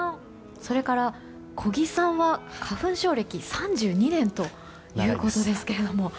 それから、小木さんは花粉症歴３２年ということですけど。